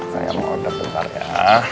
saya mau order bentar ya